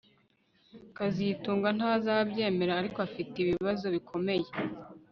kazitunga ntazabyemera ariko afite ibibazo bikomeye